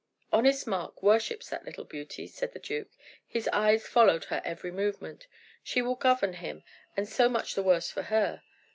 "Honest Mark worships that little beauty," said the duke; "his eyes followed her every movement. She will govern him, and so much the worse for her.